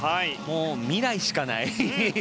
未来しかない。